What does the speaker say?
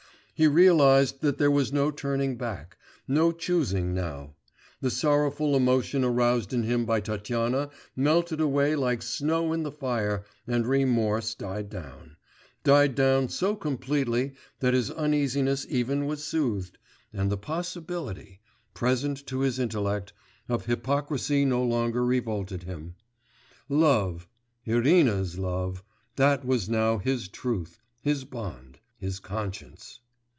He realised that there was no turning back, no choosing now; the sorrowful emotion aroused in him by Tatyana melted away like snow in the fire, and remorse died down ... died down so completely that his uneasiness even was soothed, and the possibility present to his intellect of hypocrisy no longer revolted him.... Love, Irina's love, that was now his truth, his bond, his conscience....